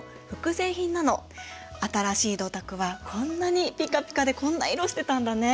新しい銅鐸はこんなにピカピカでこんな色してたんだね。